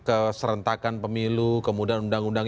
keserentakan pemilu kemudian undang undang